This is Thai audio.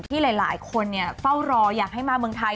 ที่หลายคนเฝ้ารออยากให้มาเมืองไทย